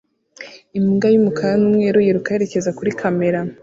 Imbwa y'umukara n'umweru yiruka yerekeza kuri kamera